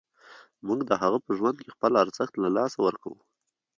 موږ د هغه په ژوند کې خپل ارزښت له لاسه ورکوو.